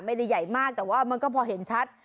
ใหญ่มากแต่ว่ามันก็พอเห็นชัด